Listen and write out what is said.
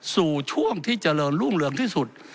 สู่ช่วงที่เจริญรุ่งเรืองที่สุด